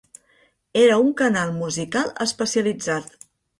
Era un canal musical especialitzat.